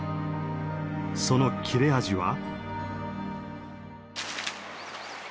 その切れ味は？